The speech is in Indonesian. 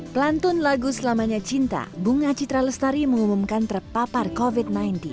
pelantun lagu selamanya cinta bunga citra lestari mengumumkan terpapar covid sembilan belas